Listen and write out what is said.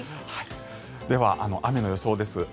では、雨の予想です。